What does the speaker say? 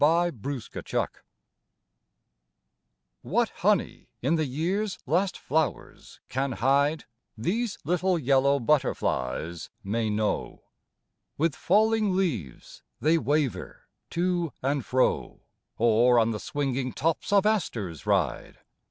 WAITING FOR WINTER What honey in the year's last flowers can hide, These little yellow butterflies may know: With falling leaves they waver to and fro, Or on the swinging tops of asters ride.